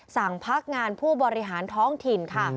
สั่งพักงานผู้บริหารท้องถิ่นค่ะ